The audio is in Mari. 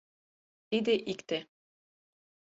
Тиде икте.